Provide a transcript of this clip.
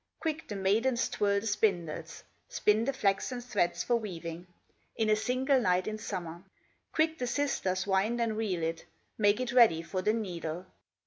Quick the maidens twirl the spindles, Spin the flaxen threads for weaving, In a single night in summer. Quick the sisters wind and reel it, Make it ready for the needle.